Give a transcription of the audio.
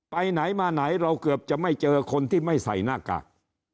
ไปไหนมาไหนเราเกือบจะไม่เจอคนที่ไม่ใส่หน้ากาก